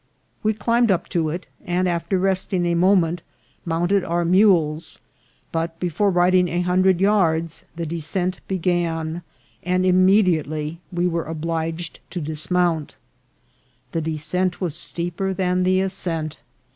"We climbed up to it, and, after resting a moment, mounted our mules, but, before riding a hundred yards, the descent began, and immediately we were obliged to dismount. The descent was steeper than the ascent.